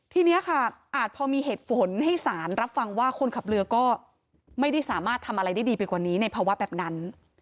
ทีนี้ค่ะอาจพอมีเหตุผลให้สารรับฟังว่าคนขับเรือก็ไม่ได้สามารถทำอะไรได้ดีไปกว่านี้ในภาวะแบบนั้น